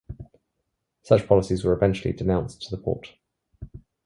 Such policies were eventually denounced to the Porte.